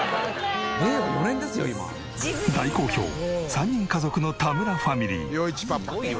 大好評３人家族の田村ファミリー。